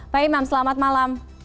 pak imam selamat malam